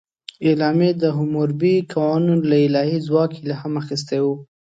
اعلامیه د حموربي قوانینو له الهي ځواک الهام اخیستی و.